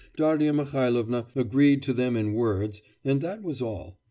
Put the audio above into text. Darya Mihailovna agreed to them in words and that was all.